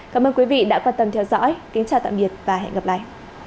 cảm ơn quý vị đã quan tâm theo dõi kính chào tạm biệt và hẹn gặp lại